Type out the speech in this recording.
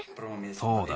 そうだ。